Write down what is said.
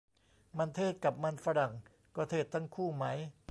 มันเทศ กับมันฝรั่ง ก็เทศทั้งคู่ไหม